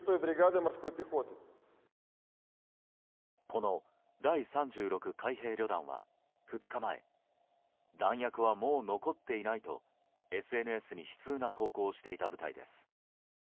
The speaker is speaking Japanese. この第３６海兵旅団は２日前弾薬は、もう残っていないとＳＮＳに悲痛な投稿をしていた部隊です。